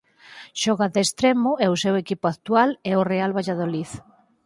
Xoga de extremo e o seu equipo actual é o Real Valladolid.